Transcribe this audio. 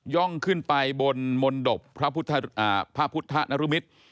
่องขึ้นไปบนมนตบพระพุทธนรมิตร